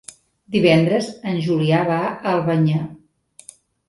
Divendres en Julià va a Albanyà.